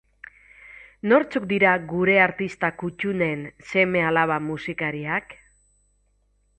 Nortzuk dira gure artista kuttunen seme-alaba musikariak?